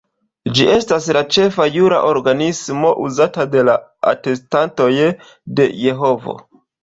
Ĝi estas la ĉefa jura organismo uzata de la Atestantoj de Jehovo.